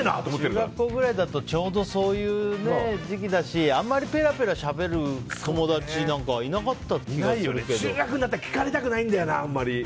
中学校ぐらいだとそういう時期だしあんまりぺらぺらしゃべる友達なんか中学になったら聞かれたくないんだよな。